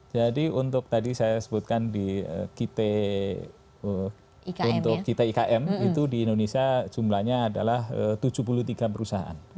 jadi untuk tadi saya sebutkan di kite ikm itu di indonesia jumlahnya adalah tujuh puluh tiga perusahaan